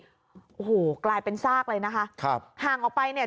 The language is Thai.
โอ้โหกลายเป็นซากเลยนะคะครับห่างออกไปเนี่ย